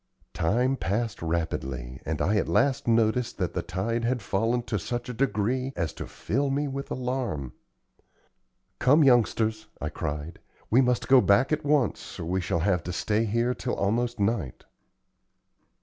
Time passed rapidly, and I at last noticed that the tide had fallen to such a degree as to fill me with alarm. "Come, youngsters," I cried, "we must go back at once, or we shall have to stay here till almost night."